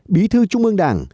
bí thư trung ương đảng